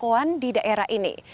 stadion vij juga berdiri di daerah ini